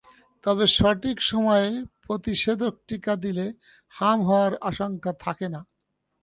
তবে সঠিক সময়ে প্রতিষেধক টিকা দিলে হাম হওয়ার আশঙ্কা থাকে না।